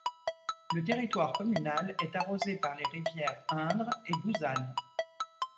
Le territoire communal est arrosé par les rivières Indre et Bouzanne.